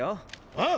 ああ！